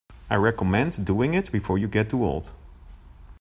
I would recommend doing it before you get too old.